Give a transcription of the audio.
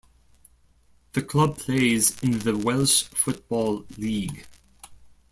The club plays in the Welsh Football League.